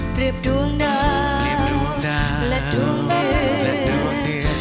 เปรียบดวงดาวและดวงเดือน